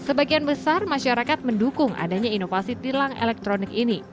sebagian besar masyarakat mendukung adanya inovasi tilang elektronik ini